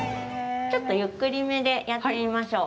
ちょっとゆっくりめでやってみましょう。